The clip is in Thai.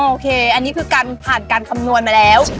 โอเคอันนี้คือการผ่านการคำนวณมาแล้ว